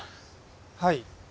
はい。